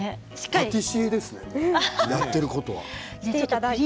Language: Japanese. パティシエですねやっていることは。